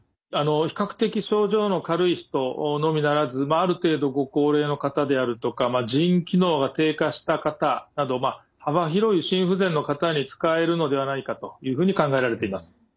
比較的症状の軽い人のみならずある程度ご高齢の方であるとか腎機能が低下した方など幅広い心不全の方に使えるのではないかというふうに考えられています。